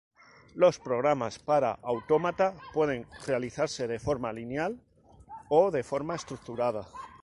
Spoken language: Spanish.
Los programas para autómata pueden realizarse de forma lineal o de forma estructurada.